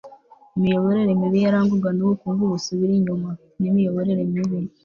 imiyoborere mibi yarangwaga n'ubukungu busubira inyuma n'imiyoborere mibi